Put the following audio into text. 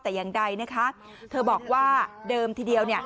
แต่ยังใดนะคะเธอบอกว่าเดิมทีเดียว